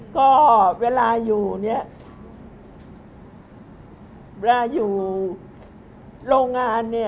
ก็เวลาอยู่เนี่ยเวลาอยู่โรงงานเนี่ย